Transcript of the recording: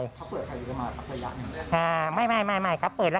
เขาเปิดให้เขามาสักระยะหนึ่งเลย